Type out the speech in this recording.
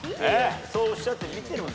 そうおっしゃって見てるんですよ。